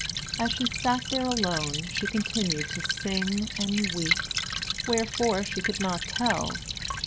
As she sat there alone, she continued to sing and weep; wherefore she could not tell.